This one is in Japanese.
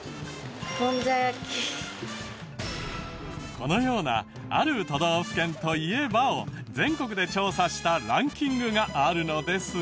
このような「ある都道府県といえば」を全国で調査したランキングがあるのですが。